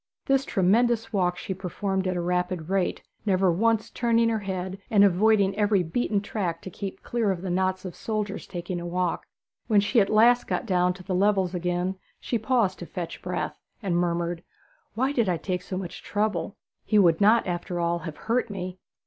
This tremendous walk she performed at a rapid rate, never once turning her head, and avoiding every beaten track to keep clear of the knots of soldiers taking a walk. When she at last got down to the levels again she paused to fetch breath, and murmured, 'Why did I take so much trouble? He would not, after all, have hurt me.'